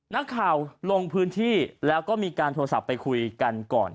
ลงพื้นที่แล้วก็มีการโทรศัพท์ไปคุยกันก่อน